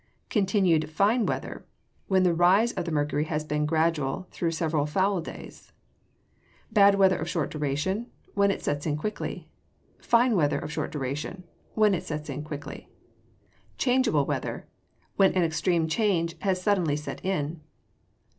Continued fine weather, when the rise of the mercury has been gradual through several foul days. Bad weather of short duration, when it sets in quickly. Fine weather of short duration, when it sets in quickly. Changeable weather, when an extreme change has suddenly set in.